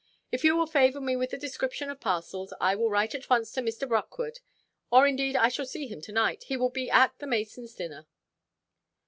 If you will favour me with the description of parcels, I will write at once to Mr. Brockwood; or, indeed, I shall see him to–night. He will be at the Masonsʼ dinner."